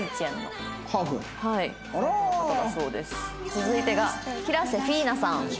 続いてが平瀬フィーナさん。